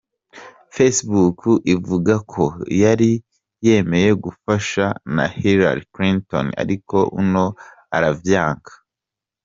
Facebook ivuga ko yari yemeye gufasha na Hillary Clinton, ariko uno aravyanka.